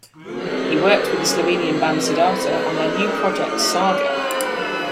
He worked with the Slovenian band Siddharta on their new project Saga.